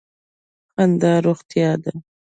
خندا روغتیا ده.